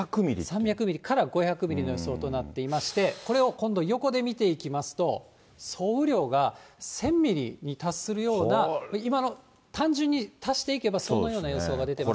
３００ミリから５００ミリの予想となっていまして、これを今度、横で見ていきますと、総雨量が１０００ミリに達するような、今のを単純に足していけば、そのような予想が出ています。